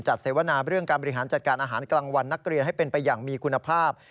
เสวนาเรื่องการบริหารจัดการอาหารกลางวันนักเรียนให้เป็นไปอย่างมีคุณภาพ